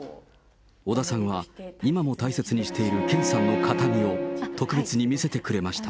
小田さんは、今も大切にしている健さんの形見を、特別に見せてくれました。